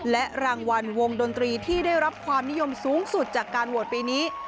และรางวัลวงดนตรีที่ได้รับความนิยมสูงสุดจากการโหวตปีนี้